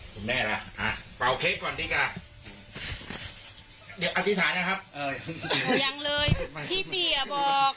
ขอบคุณครับ